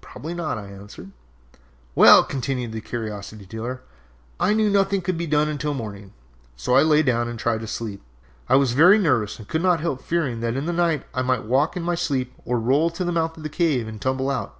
"Probably not," I answered. "Well," continued the curiosity dealer, "I knew nothing could be done until morning, so I lay down and tried to sleep. I was very nervous and could not help fearing that in the night I might walk in my sleep or roll to the mouth of the cave and tumble out.